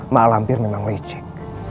mak lampir memang licik